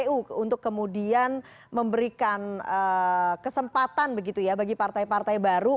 kpu untuk kemudian memberikan kesempatan begitu ya bagi partai partai baru